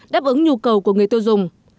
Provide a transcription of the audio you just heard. đáp ứng nhu cầu của người tiêu dùng